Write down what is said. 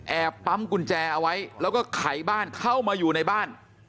ปั๊มกุญแจเอาไว้แล้วก็ไขบ้านเข้ามาอยู่ในบ้าน